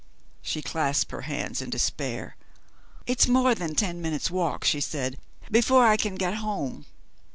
She clasped her hands in despair. "It's more than ten minutes' walk," she said, "before I can get home."